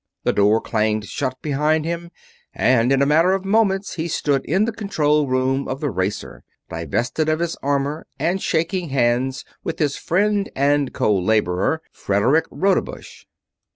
The door clanged shut behind him and in a matter of moments he stood in the control room of the racer, divested of his armor and shaking hands with his friend and co laborer, Frederick Rodebush.